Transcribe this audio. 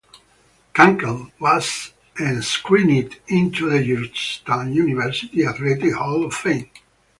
Kunkel was enshrined into the Georgetown University Athletic Hall of Fame.